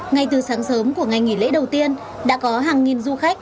ngay từ sáng sớm của ngày nghỉ lễ đầu tiên đã có hàng nghìn du khách